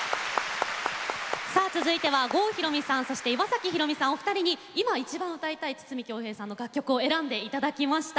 続いては、郷ひろみさんそして、岩崎宏美さんお二人に今いちばん歌いたい筒美京平さんの楽曲を選んでいただきました。